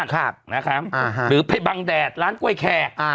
นะครับนะครับอ่าหรือไปบังแดดร้านกล้วยแขกอ่า